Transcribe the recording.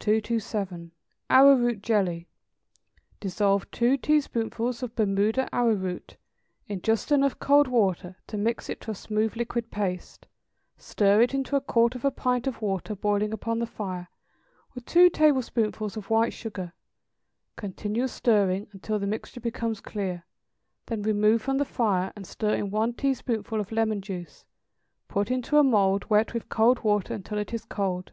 227. =Arrowroot Jelly.= Dissolve two teaspoonfuls of Bermuda arrowroot in just enough cold water to mix it to a smooth liquid paste, stir it into a quarter of a pint of water boiling upon the fire, with two tablespoonfuls of white sugar; continue stirring until the mixture becomes clear, then remove from the fire and stir in one teaspoonful of lemon juice, put into a mould wet with cold water until it is cold.